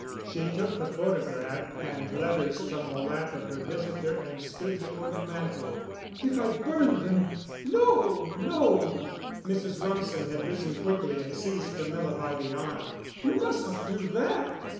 She took the photograph and letters from the lap of her visitor and stood before the mantel. "If I burned them——" "No, no," Mrs. Rumsen had risen quickly and seized Camilla by the arm. "You mustn't do that."